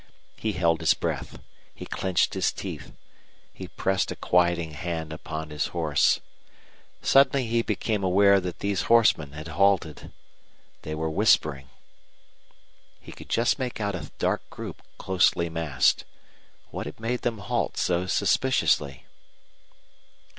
He held his breath; he clenched his teeth; he pressed a quieting hand upon his horse. Suddenly he became aware that these horsemen had halted. They were whispering. He could just make out a dark group closely massed. What had made them halt so suspiciously?